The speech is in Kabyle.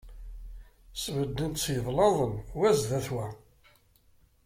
Sbedden-t s yiblaḍen, wa sdat n wa.